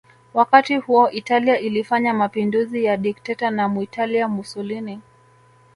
Wakati huo Italia ilifanya mapinduzi ya dikteta na Mwitalia Mussolini